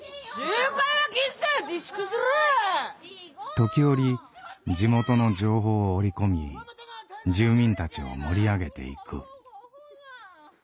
時折地元の情報を織り込み住民たちを盛り上げていく。